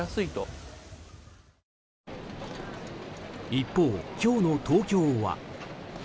一方、今日の東京は。